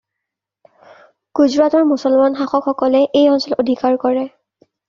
গুজৰাটৰ মুচলমান শাসকসকলে এই অঞ্চল অধিকাৰ কৰে।